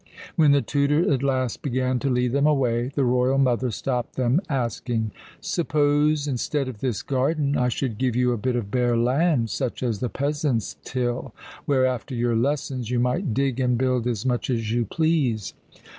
When the tutor at last began to lead them away, the royal mother stopped them, asking: "Suppose, instead of this garden, I should give you a bit of bare land, such as the peasants till, where, after your lessons, you might dig and build as much as you please?"